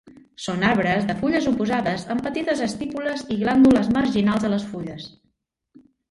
Són arbres de fulles oposades amb petites estípules i glàndules marginals a les fulles.